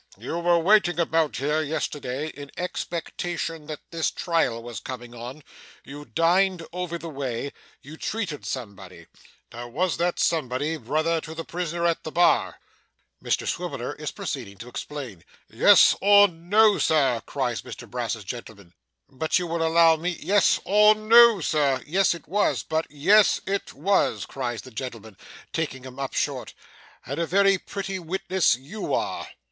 You were waiting about here, yesterday, in expectation that this trial was coming on. You dined over the way. You treated somebody. Now, was that somebody brother to the prisoner at the bar?' Mr Swiveller is proceeding to explain 'Yes or No, sir,' cries Mr Brass's gentleman 'But will you allow me ' 'Yes or No, sir' 'Yes it was, but ' 'Yes it was,' cries the gentleman, taking him up short. 'And a very pretty witness YOU are!